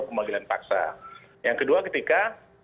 pemanggilan paksa yang kedua ketika